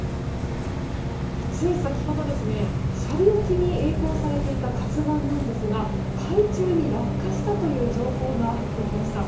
つい先ほど斜里沖にえい航されていた「ＫＡＺＵ１」なんですが海中に落下したという情報が入ってきました。